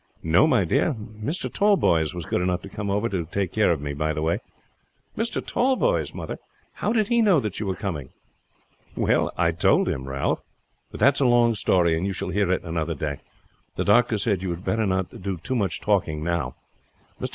"No, my dear. Mr. Tallboys was good enough to come over to take care of me by the way." "Mr. Tallboys, mother! How did he know that you were coming?" "Well, I told him, Ralph. But that is a long story, and you shall hear it another day. The doctor said you had better not do much talking now. Mr.